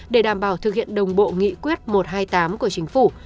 để đảm bảo thực hiện đồng bộ nghị quyết một trăm hai mươi tám của chính phủ